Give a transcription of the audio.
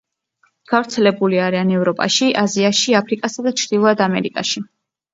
გავრცელებული არიან ევროპაში, აზიაში, აფრიკასა და ჩრდილოეთ ამერიკაში.